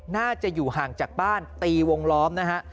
น่าจะอยู่ห่างจากบ้านตีวงล้อมนะฮะ